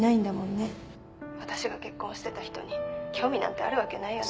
私が結婚してた人に興味なんてあるわけないよね。